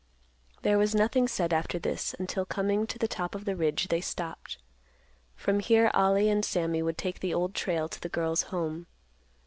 There was nothing said after this, until, coming to the top of the ridge, they stopped. From here Ollie and Sammy would take the Old Trail to the girl's home.